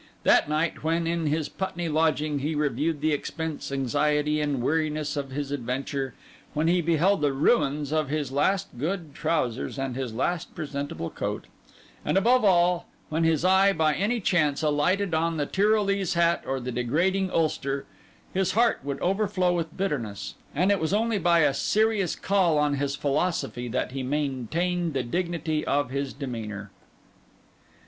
That night, when, in his Putney lodging, he reviewed the expense, anxiety, and weariness of his adventure; when he beheld the ruins of his last good trousers and his last presentable coat; and above all, when his eye by any chance alighted on the Tyrolese hat or the degrading ulster, his heart would overflow with bitterness, and it was only by a serious call on his philosophy that he maintained the dignity of his demeanour.